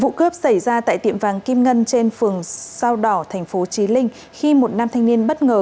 vụ cướp xảy ra tại tiệm vàng kim ngân trên phường sao đỏ tp chí linh khi một nam thanh niên bất ngờ